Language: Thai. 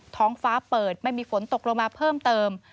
ท้องฟ้าเปิดไม่มีฝนตกลงมาเพิ่มเติม